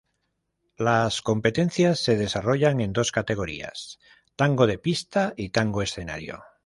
Las competencias se desarrollan en dos categorías: tango de pista y tango escenario.